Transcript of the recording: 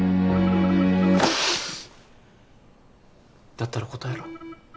だったら答えろ。